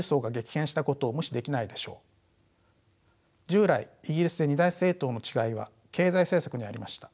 従来イギリスで二大政党の違いは経済政策にありました。